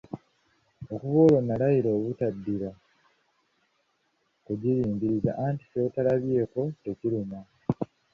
Okuva olwo nalayira obutaddira kugiringiriza, anti ky'otalabyeko tekiruma.